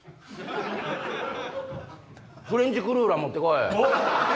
フレンチクルーラー持ってこい！